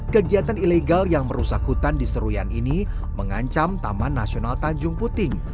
kegiatan ilegal yang merusak hutan di seruyan ini mengancam taman nasional tanjung puting